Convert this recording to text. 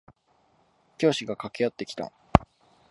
教師が駆け寄ってきた。